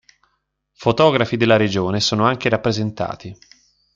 Fotografi della regione sono anche rappresentati.